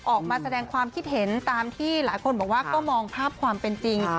ออกมาแสดงความคิดเห็นตามที่หลายคนบอกว่าก็มองภาพความเป็นจริง